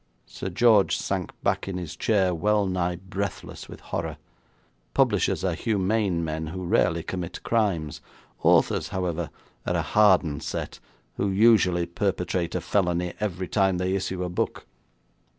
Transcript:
Sir George sank back in his chair wellnigh breathless with horror. Publishers are humane men who rarely commit crimes; authors, however, are a hardened set who usually perpetrate a felony every time they issue a book.